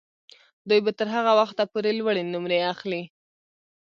دوی به تر هغه وخته پورې لوړې نمرې اخلي.